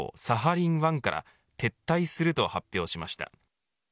サハリン１から撤退すると発表しました。